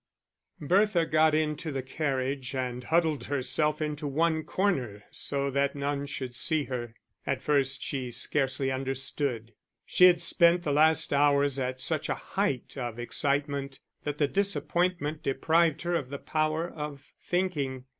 C._ Bertha got into the carriage and huddled herself into one corner so that none should see her. At first she scarcely understood; she had spent the last hours at such a height of excitement that the disappointment deprived her of the power of thinking.